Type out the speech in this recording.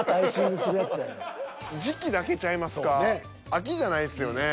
秋じゃないですよねぇ。